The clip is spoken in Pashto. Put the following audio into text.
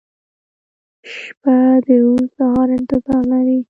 • شپه د روڼ سهار انتظار لري.